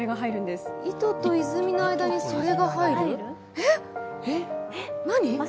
えっ、何？